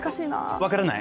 分からない？